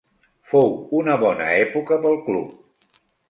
Fou una bona època pel club.